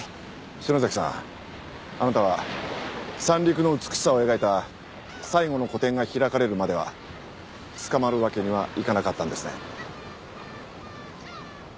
篠崎さんあなたは三陸の美しさを描いた最後の個展が開かれるまでは捕まるわけにはいかなかったんですね。